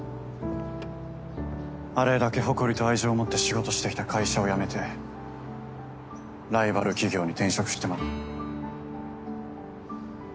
あれだけ誇りと愛情を持って仕事してきた会社を辞めてライバル企業に転職してまで。